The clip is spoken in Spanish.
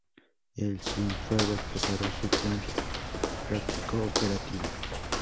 En Cienfuegos preparó su plan práctico-operativo.